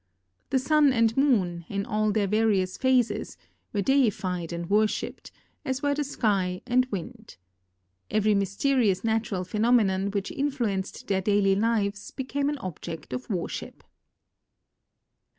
The sun and moon, in all their various phases, were deified and "worshiped, as were the sky and wind. Every mysterious natural phenomenon which influenced their daily lives became an object of worship.